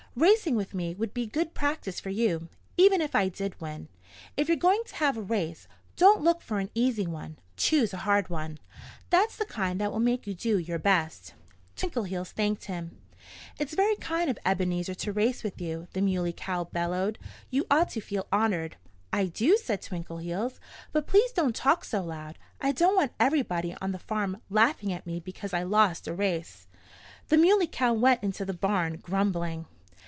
Racing with me would be good practice for you, even if I did win. If you're going to have a race, don't look for an easy one! Choose a hard one. That's the kind that will make you do your best." Twinkleheels thanked him. "It's very kind of Ebenezer to race with you," the Muley Cow bellowed. "You ought to feel honored." "I do," said Twinkleheels. "But please don't talk so loud! I don't want everybody on the farm laughing at me because I lost a race." The Muley Cow went into the barn grumbling.